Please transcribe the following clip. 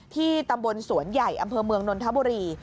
ที่ตำบลสวนใหญ่อำเภอเมืองนนทบุรี